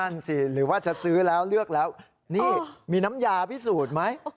สิหรือว่าจะซื้อแล้วเลือกแล้วนี่มีน้ำยาพิสูจน์ไหม